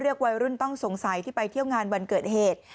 วัยรุ่นต้องสงสัยที่ไปเที่ยวงานวันเกิดเหตุ